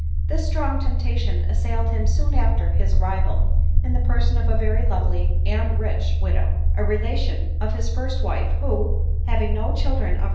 This strong temptation assailed him soon after his arri val, in the person of a very lovely and rich widow, a relation of his first wife, who, having no children of her 21 ^■4.